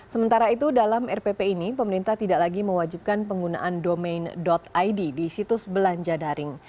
sementara itu dalam rpp ini pemerintah tidak lagi mewajibkan penggunaan domain id di situs belanja daring